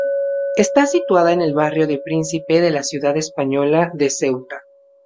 Está situada en el Barrio del Príncipe de la ciudad española de Ceuta.